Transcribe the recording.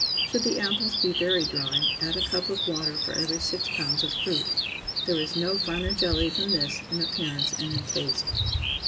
Should the apples be very dry, add a cup of water for every six pounds of fruit. There is no finer jelly than this in appearance and in taste.